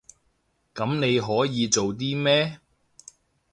噉你可以做啲咩？